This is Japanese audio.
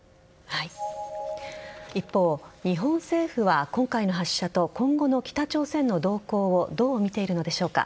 一方、日本政府は今回の発射と今後の北朝鮮の動向をどう見ているのでしょうか。